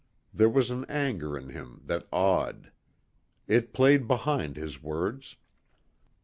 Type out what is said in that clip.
There was an anger in him that awed. It played behind his words.